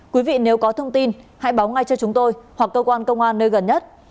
quý vị nếu có thông tin hãy báo ngay cho chúng tôi hoặc cơ quan công an nơi gần nhất